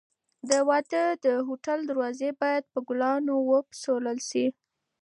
د واده د هوټل دروازې باید په ګلانو وپسولل شي.